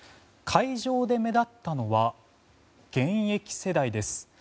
会場で目立ったのは現役世代です。